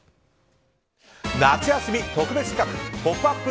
夏休み特別企画「ポップＵＰ！」